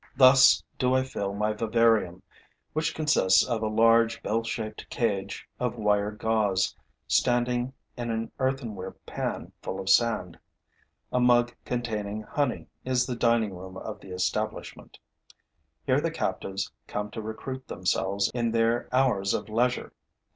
Thus do I fill my vivarium, which consists of a large, bell shaped cage of wire gauze, standing in an earthenware pan full of sand. A mug containing honey is the dining room of the establishment. Here the captives come to recruit themselves in their hours of leisure.